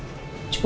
jadi butuh waktu